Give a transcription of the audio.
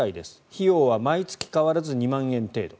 費用は毎月変わらず２万円程度。